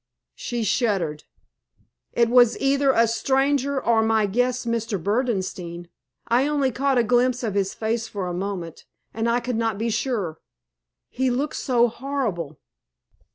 She shuddered. "It was either a stranger, or my guest, Mr. Berdenstein. I only caught a glimpse of his face for a moment, and I could not be sure. He looked so horrible."